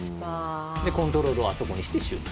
で、コントロールをあそこにしてシュート。